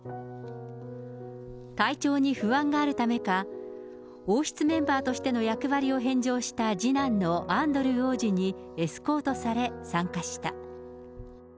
体調に不安があるためか、王室メンバーとしての役割を返上した、次男のアンドルー王子にエスコートされ、参加した。